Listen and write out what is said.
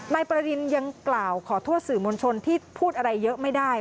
นายประดินยังกล่าวขอโทษสื่อมวลชนที่พูดอะไรเยอะไม่ได้